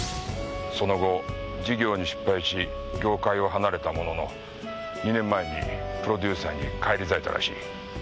その後事業に失敗し業界を離れたものの２年前にプロデューサーに返り咲いたらしい。